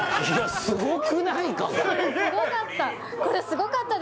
すごかった！